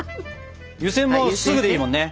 湯せんもすぐでいいもんね。